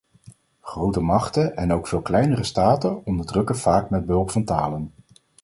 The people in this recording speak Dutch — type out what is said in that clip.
Grote machten en ook veel kleinere staten onderdrukken vaak met behulp van talen.